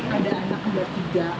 ada anak kembar tiga